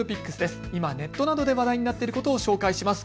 今、ネットなどで話題になっていることを紹介します。